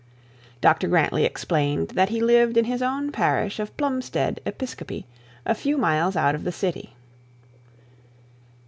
Dr Grantly explained that he lived in his own parish of Plumstead Episcopi, a few miles out of the city.